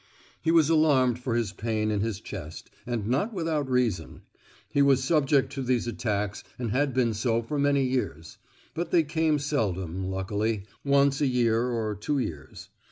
He was alarmed for this pain in his chest, and not without reason. He was subject to these attacks, and had been so for many years; but they came seldom, luckily—once a year or two years.